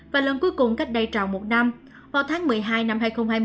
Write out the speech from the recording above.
và lần cuối cùng cách đây tròn một năm vào tháng một mươi hai năm hai nghìn hai mươi